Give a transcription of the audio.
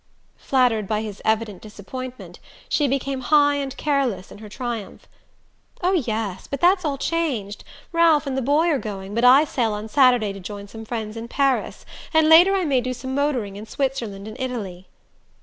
Flattered by his evident disappointment, she became high and careless in her triumph. "Oh, yes, but that's all changed. Ralph and the boy are going, but I sail on Saturday to join some friends in Paris and later I may do some motoring in Switzerland an Italy."